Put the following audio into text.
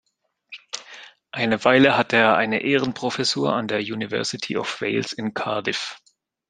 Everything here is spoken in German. Eine Weile hatte er eine Ehrenprofessur an der University of Wales in Cardiff.